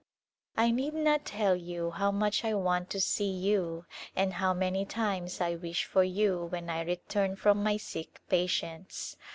I need not tell you how much I want to see you and how many times I wish for you when I return from my sick patients.